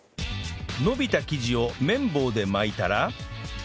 延びた生地を麺棒で巻いたら